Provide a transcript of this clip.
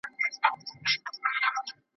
خو ملکیار د مینې او محبت نارې وهلې.